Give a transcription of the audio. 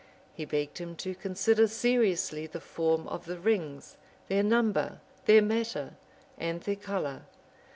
He begged him to consider seriously the form of the rings, their number, their matter, and their color.